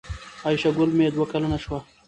عایشه ګل مې دوه کلنه شو